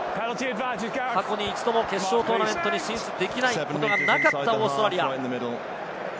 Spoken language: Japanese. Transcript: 過去に一度も決勝トーナメントに進出できないことがなかったオーストラリア。